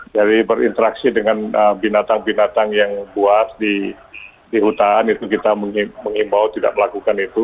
jadi berinteraksi dengan binatang binatang yang buat di hutan itu kita mengimbau tidak melakukan itu